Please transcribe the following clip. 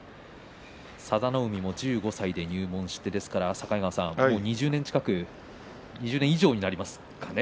佐田の海も１５歳で入門してですからもう２０年以上になりますかね。